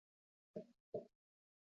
日本女贞是木犀科女贞属的植物。